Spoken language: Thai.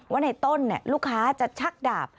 ว่าในต้นลูกค้าจะชักดาบ